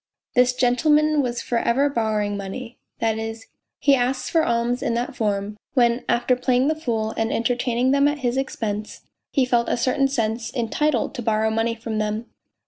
This gentleman was for ever borrowing money, that is. he asked for alms in that form, when after playing the fool and entertaining them at his expense he felt in a certain sense entitled to borrow money from them.